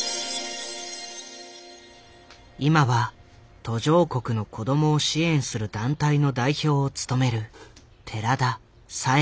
今は途上国の子供を支援する団体の代表を務める寺田朗子。